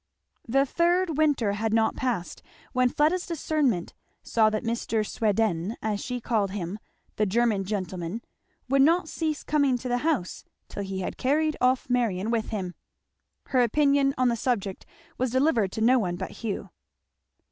The third winter had not passed, when Fleda's discernment saw that Mr. Sweden, as she called him, the German gentleman, would not cease coming to the house till he had carried off Marion with him. Her opinion on the subject was delivered to no one but Hugh.